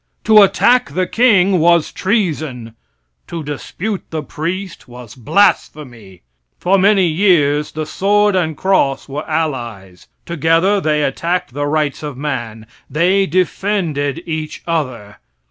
To attack the king was treason; to dispute the priest was blasphemy. For many years the sword and cross were allies. Together they attacked the rights of man. They defended each other.